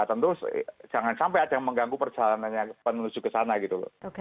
tentu jangan sampai ada yang mengganggu perjalanannya menuju ke sana gitu loh